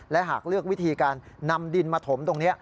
และหากเลือกวิธีการนำดินมาถมตรงนี้